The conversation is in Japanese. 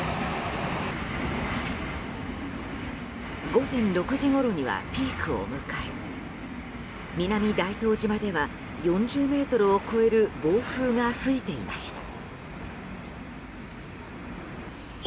午前６時ごろにはピークを迎え南大東島では４０メートルを超える暴風が吹いていました。